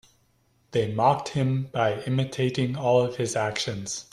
They mocked him by imitating all of his actions.